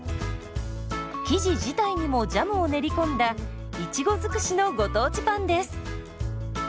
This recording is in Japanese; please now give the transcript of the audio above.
生地自体にもジャムを練り込んだいちご尽くしのご当地パンです。